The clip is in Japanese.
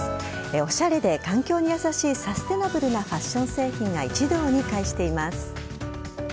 おしゃれで環境に優しいサステナブルなファッション製品が一堂に会しています。